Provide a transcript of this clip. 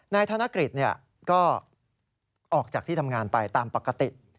ธนกฤษก็ออกจากที่ทำงานไปตามปกติ